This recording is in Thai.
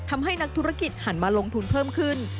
นักธุรกิจหันมาลงทุนเพิ่มขึ้น